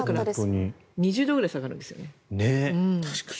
２０度くらい差があるんですよね。